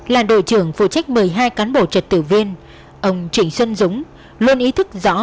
là đội trưởng phụ trách một mươi hai cán bộ trật tự viên ông trịnh xuân dũng luôn ý thức rõ